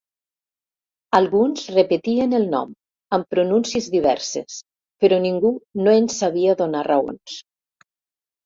Alguns repetien el nom, amb pronúncies diverses, però ningú no en sabia donar raons.